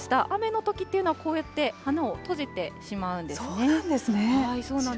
雨のときっていうのは、こうやって花を閉じてしまうんですね。